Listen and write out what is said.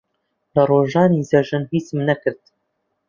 لە ڕۆژانی جەژن هیچم نەکرد.